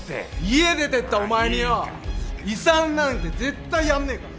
家出てったお前によ遺産なんて絶対やんねえから。